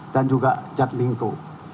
dan juga jatling co